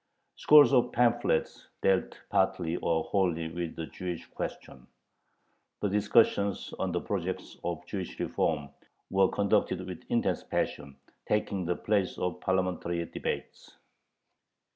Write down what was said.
Scores of pamphlets dealt partly or wholly with the Jewish question. The discussions on the projects of "Jewish reform" were conducted with intense passion, taking the place of parliamentary debates.